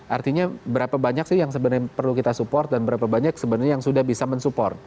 artinya berapa banyak sih yang sebenarnya perlu kita support dan berapa banyak sebenarnya yang sudah bisa mensupport